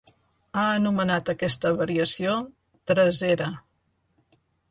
Ha anomenat aquesta variació "tresera".